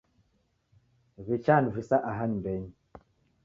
Wichanivisa aha nyumbenyi